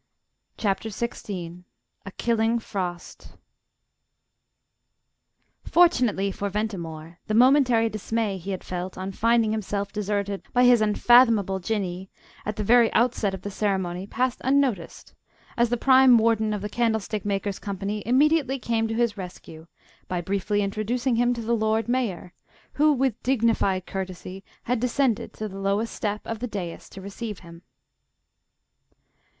CHAPTER XVI A KILLING FROST Fortunately for Ventimore, the momentary dismay he had felt on finding himself deserted by his unfathomable Jinnee at the very outset of the ceremony passed unnoticed, as the Prime Warden of the Candlestick makers' Company immediately came to his rescue by briefly introducing him to the Lord Mayor, who, with dignified courtesy, had descended to the lowest step of the dais to receive him.